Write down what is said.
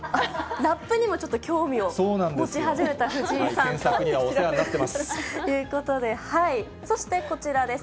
ラップにも興味を持ち始めた藤井さん。ということで、こちらです。